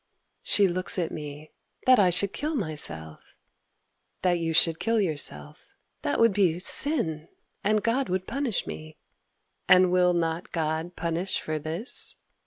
She looks at me. "That I should kill myself?"— "That you should kill yourself."—"That would be sin, And God would punish me!"—"And will not God Punish for this?"